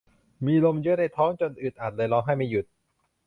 มีลมเยอะในท้องจนอึดอัดเลยร้องไห้ไม่หยุด